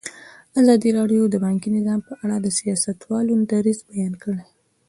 ازادي راډیو د بانکي نظام په اړه د سیاستوالو دریځ بیان کړی.